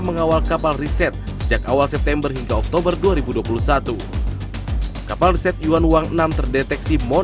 mengawal kapal riset sejak awal september hingga oktober dua ribu dua puluh satu kapal riset yuan wang enam terdeteksi